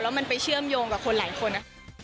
แล้วมันไปเชื่อมโยงกับคนหลายคน